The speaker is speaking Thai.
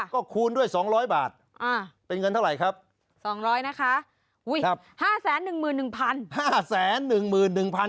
ก็คูณด้วย๒๐๐บาทเป็นเงินเท่าไหร่ครับ๒๐๐นะคะ